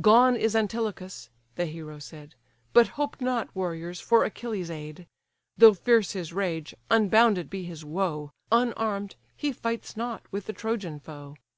"Gone is Antilochus (the hero said); But hope not, warriors, for Achilles' aid: Though fierce his rage, unbounded be his woe, Unarm'd, he fights not with the Trojan foe.